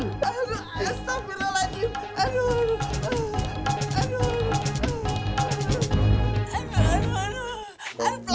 aduh biasa bener lagi aduh aduh aduh aduh aduh aduh